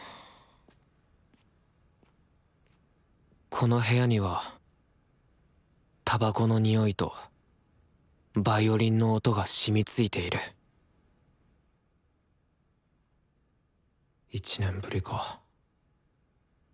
この部屋にはたばこの臭いとヴァイオリンの音が染みついている１年ぶりか。